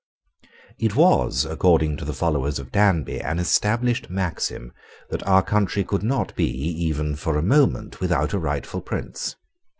It was, according to the followers of Danby, an established maxim that our country could not be, even for a moment, without a rightful prince.